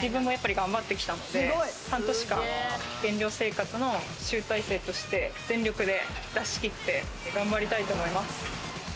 自分も頑張ってきたので、半年間、減量生活の集大成として全力で出し切って頑張りたいと思います。